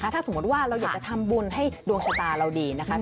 ถ้าสมมติว่าเราอยากจะทำบุญให้ดวงชะตาเราดีนะคะ